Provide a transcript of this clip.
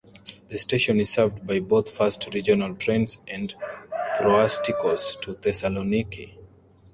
The station is served by both fast Regional trains and Proastiakos to Thessaloniki.